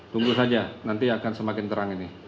tunggu saja nanti akan semakin terang ini